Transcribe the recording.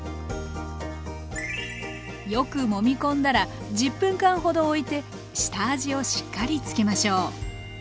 よくもみ込んだら１０分間ほどおいて下味をしっかりつけましょう。